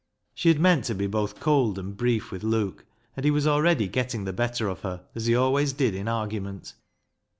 She had meant to be both cold and brief with Luke, and he was already getting the better of her, as he always did in argument.